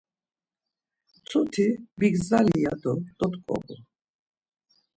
Mtuti “bigzali” ya do dot̆ǩobu.